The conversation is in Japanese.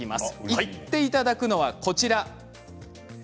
言っていただくのはこちらです。